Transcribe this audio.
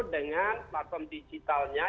dengan platform digitalnya